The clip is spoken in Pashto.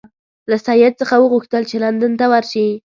له سید څخه وغوښتل چې لندن ته ورشي.